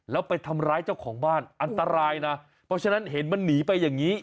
แล้วไปทำร้ายเจ้าของบ้านอันตรายนะเพราะฉะนั้นเห็นมันหนีไปอย่างนี้